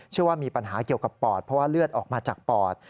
ว่ามีปัญหาเกี่ยวกับปอดเพราะว่าเลือดออกมาจากปอด